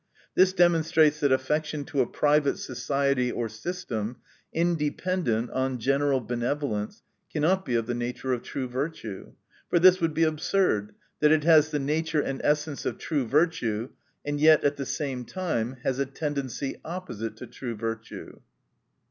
This demonstrates, that affection to a private society or system, independent on gene ral benevolence, cannot be of the nature of true virtue. For this would be ab " surd, that it has the nature and essence of true virtue, and yet at the same time has a tendency opposite to true virtue.